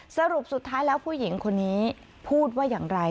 สรุปสุดท้ายแล้วผู้หญิงคนนี้พูดว่าอย่างไร